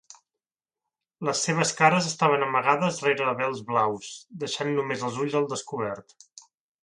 Les seves cares estaven amagades rere vels blaus, deixant només els ulls al descobert.